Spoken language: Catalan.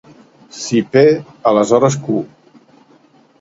Si P aleshores Q.